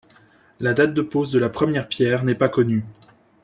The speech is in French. La date de pose de la première pierre n'est pas connue.